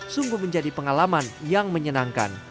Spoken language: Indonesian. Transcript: sungguh menjadi pengalaman yang menyenangkan